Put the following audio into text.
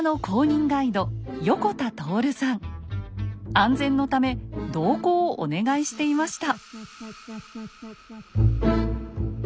安全のため同行をお願いしていました。